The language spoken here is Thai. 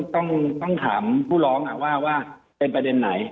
ต้องถามผู้ร้องว่าเป็นประเด็นไหน